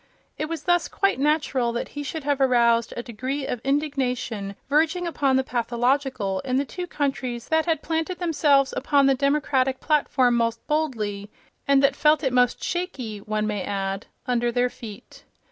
It was thus quite natural that he should have aroused a degree of indignation verging upon the pathological in the two countries that had planted themselves upon the democratic platform most boldly, and that felt it most shaky, one may add, under their feet.